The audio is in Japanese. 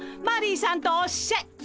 マリーさんとおっしゃい！